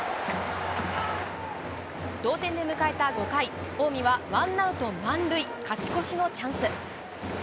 同点で迎えた５回、近江はワンアウト満塁、勝ち越しのチャンス。